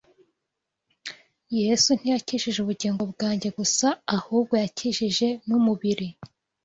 Yesu ntiyakijije ubugingo bwanjye gusa, ahubwo yakijije n’umubiri.